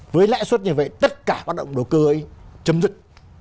với lẽ suất như vậy tất cả hoạt động độc cư ấy chấm dứt